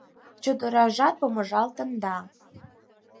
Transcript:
Чодыражат помыжалтын да